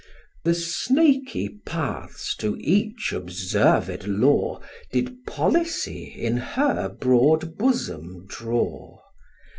The snaky paths to each observed law Did Policy in her broad bosom draw.